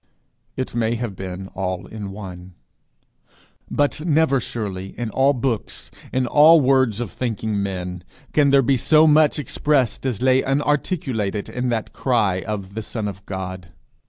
It may have been all in one. But never surely in all books, in all words of thinking men, can there be so much expressed as lay unarticulated in that cry of the Son of God.